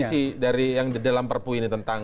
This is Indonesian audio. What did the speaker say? isi dari yang di dalam perpu ini tentang